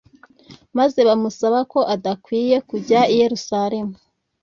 maze bamusaba “ko adakwiriye kujya i Yerusalemu.”